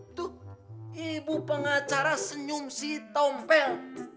itu ibu pengacara senyum si tompeng